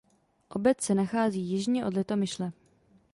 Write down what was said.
Obec se nachází jižně od Litomyšle.